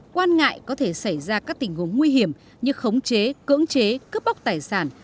quan ngại có thể xảy ra các tình huống nguy hiểm như khống chế cưỡng chế cướp bóc tài sản